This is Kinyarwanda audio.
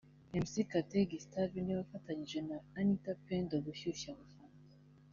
Mc Kate Gustave niwe wafatanyije na Anita Pendo gushyushya abafana